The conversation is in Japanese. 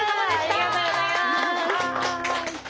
ありがとうございます。